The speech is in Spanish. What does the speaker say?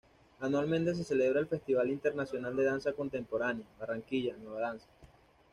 Anualmente se celebra el Festival Internacional de Danza Contemporánea "Barranquilla Nueva Danza".